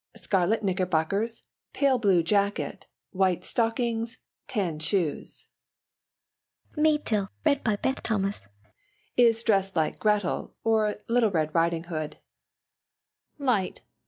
Scarlet knickerbockers, pale blue jacket, white stockings, tan shoes. MYTYL is dressed like Gretel or Little Red Riding hood. LIGHT.